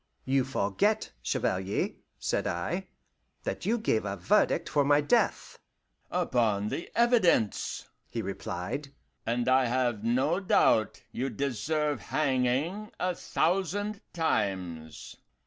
"You forget, Chevalier," said I, "that you gave verdict for my death." "Upon the evidence," he replied. "And I have no doubt you deserve hanging a thousand times."